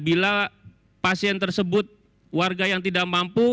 bila pasien tersebut warga yang tidak mampu